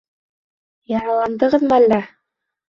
— Яраландығыҙмы әллә?